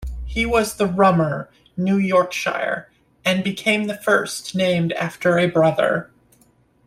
He was the Rummer, New Yorkshire, and became the first named after a brother